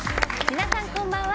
皆さん、こんばんは。